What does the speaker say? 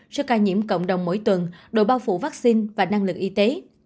so với ca nhiễm cộng đồng mỗi tuần đội bao phủ vaccine và năng lực y tế